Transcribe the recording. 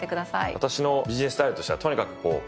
私のビジネスタイルとしてはとにかく書く。